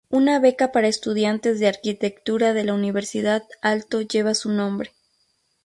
Una beca para estudiantes de arquitectura de la Universidad Aalto lleva su nombre.